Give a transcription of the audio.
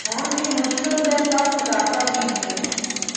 ہور اے مشکل تے سخت علاقہ بھی ہے۔